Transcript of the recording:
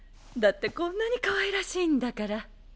だってこんなにかわいらしいんだから。